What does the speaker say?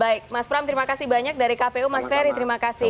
baik mas pram terima kasih banyak dari kpu mas ferry terima kasih